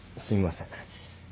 すいません。